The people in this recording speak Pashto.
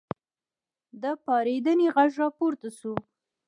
د پارېدنې غږ راپورته شو.